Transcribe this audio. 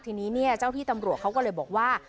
ทีนี้เนี่ยเจ้าที่ตำรวจเขาก็เลยบอกว่า